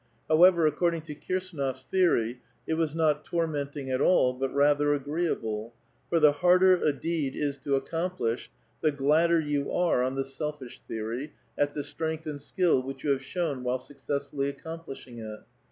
However, according to Kirsdnof's theory, it was not tormenting at all, but rather agreeable ; for the harder a deed is to accomplish, the gladder you are (on the selfish theory) at the strength and skill which you have shown while BucocjssfuUy accomplishing it.